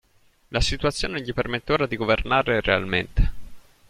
La situazione gli permette ora di governare realmente.